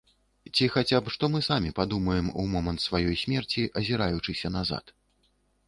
Ці хаця б што мы самі падумаем у момант сваёй смерці, азіраючыся назад?